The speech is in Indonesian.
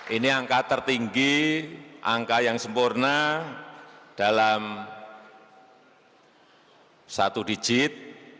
ini angka tertinggi angka yang sempurna dalam satu digit